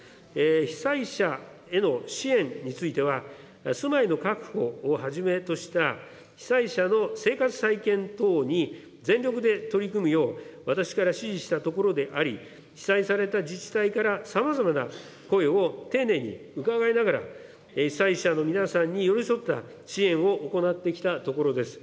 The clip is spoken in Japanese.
被災者への支援については、住まいの確保をはじめとした被災者の生活再建等に全力で取り組むよう、私から指示したところであり、被災された自治体からさまざまな声を丁寧に伺いながら、被災者の皆さんに寄り添った支援を行ってきたところです。